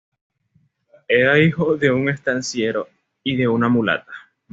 Era hijo de un estanciero y de una mulata.